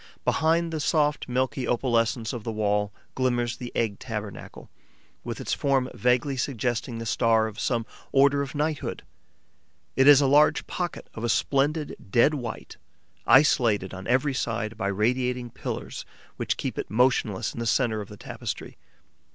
Behind the soft, milky opalescence of the wall glimmers the egg tabernacle, with its form vaguely suggesting the star of some order of knighthood. It is a large pocket, of a splendid dead white, isolated on every side by radiating pillars which keep it motionless in the centre of the tapestry.